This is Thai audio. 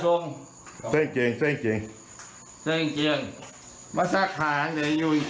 เซ็งเกียงเซ็งเกียงเซ็งเกียงมาซักทางเดี๋ยวอยู่